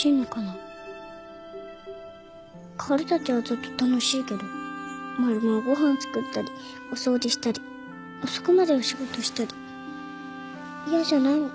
薫たちはずっと楽しいけどマルモはご飯作ったりお掃除したり遅くまでお仕事したり嫌じゃないのかな。